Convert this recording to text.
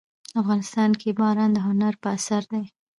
افغانستان کې باران د هنر په اثار کې دي.